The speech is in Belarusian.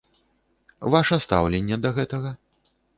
Ваша стаўленне да гэтага?